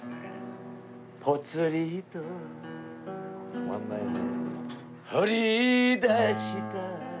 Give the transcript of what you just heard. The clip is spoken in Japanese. たまんないね。